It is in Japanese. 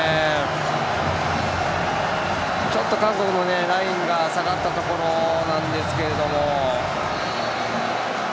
ちょっと韓国のラインが下がったところなんですけれども。